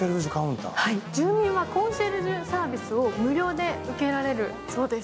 住民はコンシェルジュサービスを無料で受けられるそうです。